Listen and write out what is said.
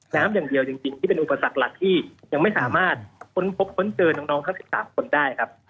น้ำอย่างเดียวจริงที่เป็นอุปสรรคหลักที่ยังไม่สามารถค้นพบค้นเจอน้องทั้ง๑๓คนได้ครับ